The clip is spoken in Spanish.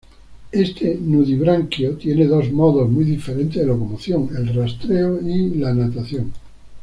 Este nudibranquio tiene dos modos muy diferentes de locomoción: el rastreo y la natación.